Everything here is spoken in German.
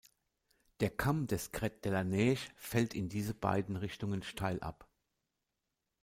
Der Kamm des Crêt de la Neige fällt in diese beiden Richtungen steil ab.